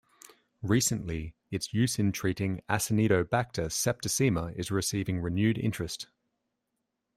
Recently, its use in treating "Acinetobacter" septicemia is receiving renewed interest.